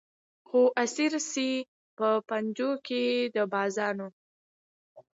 خو اسیر سي په پنجو کي د بازانو